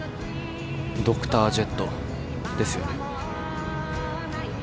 ドクタージェットですよね。